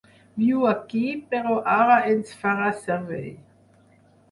Viu aquí, però ara ens farà servei.